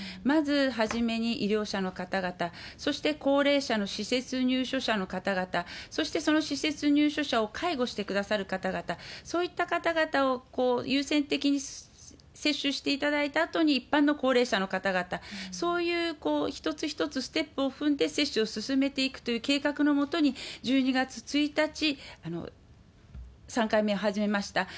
まず初めに医療者の方々、そして高齢者の施設入所者の方々、そしてその施設入所者を介護してくださる方々、そういった方々を優先的に接種していただいたあとに、一般の高齢者の方々、そういう一つ一つステップを踏んで接種を進めていくという計画の下に、１２月１日、３回目始めました。